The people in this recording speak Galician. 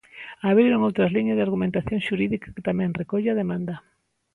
Abriron outras liñas de argumentación xurídica que tamén recolle a demanda.